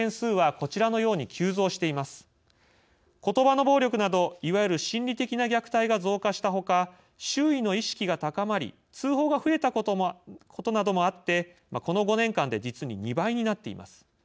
ことばの暴力などいわゆる心理的な虐待が増加したほか周囲の意識が高まり通報が増えたことなどもあってこの５年間で実に２倍になっています。